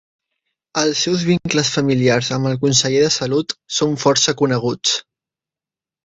Els seus vincles familiars amb el conseller de Salut són força coneguts.